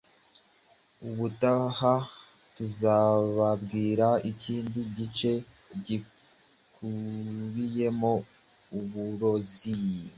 Ubutaha tuzababwira ikindi gice gikubiyemo uburozi